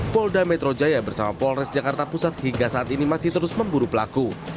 polda metro jaya bersama polres jakarta pusat hingga saat ini masih terus memburu pelaku